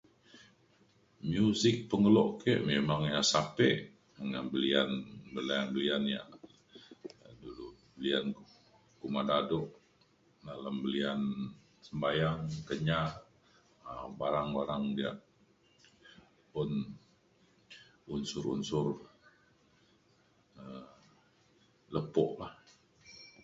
Music pengelo' ke memang ya sape ina lian lian uban kadu' lian sembahyang Kenyah barang [unintelligible] ya pun un unsur unsur lepo lah.